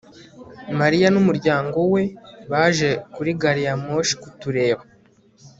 mariya n'umuryango we baje kuri gari ya moshi kutureba